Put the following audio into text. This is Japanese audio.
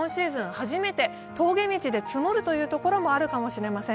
初めて峠道で積もるというところもあるかもしれません。